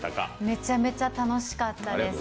めちゃめちゃ楽しかったです